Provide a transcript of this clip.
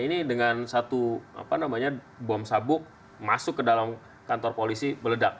ini dengan satu bom sabuk masuk ke dalam kantor polisi meledak